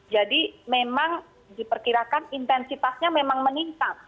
jadi memang diperkirakan intensitasnya memang meningkat